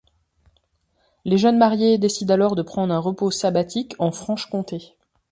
Les jeunes mariés décident alors de prendre un repos sabbatique en Franche-Comté.